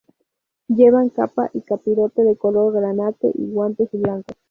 Llevan capa y capirote de color granate y guantes blancos.